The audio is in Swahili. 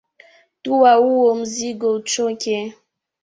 Tuwa uo mzigo uchoke.